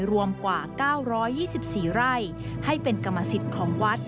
รวมกว่า๙๒๔ไร่ให้เป็นกรรมสิทธิ์ของวัด